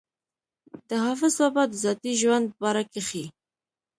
د حافظ بابا د ذاتي ژوند باره کښې